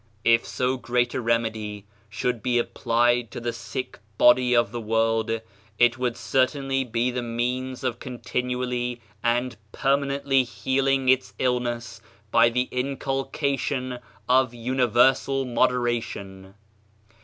If so great a remedy should be applied to the sick body of the world, it would certainly be the means of continually and permanently healing its illness by the inculcation of universal moderation.